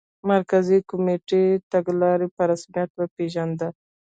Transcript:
مرکزي کمېټې تګلاره په رسمیت وپېژنده.